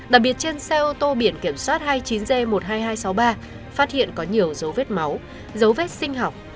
đặc biệt trên xe ô tô biển kiểm soát hai mươi chín g một mươi hai nghìn hai trăm sáu mươi ba phát hiện có nhiều dấu vết máu dấu vết sinh học